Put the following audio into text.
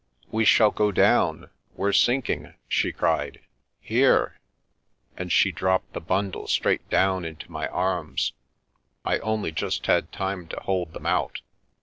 "We shall go down! We're sinking!" she cried. "Here!" And she dropped the bundle straight down into my arms — I only just had time to hold them out.